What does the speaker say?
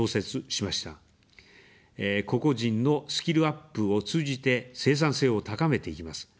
個々人のスキルアップを通じて生産性を高めていきます。